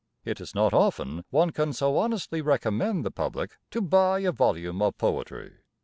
It is not often one can so honestly recommend the public to buy a volume of poetry."